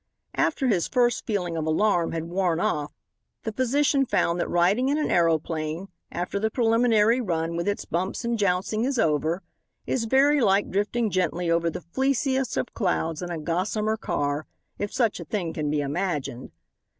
After his first feeling of alarm had worn off the physician found that riding in an aeroplane after the preliminary run with its bumps and jouncings is over, is very like drifting gently over the fleeciest of clouds in a gossamer car, if such a thing can be imagined.